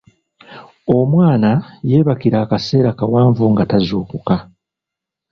Omwana yebakira akaseera kawanvu nga tazuukuka.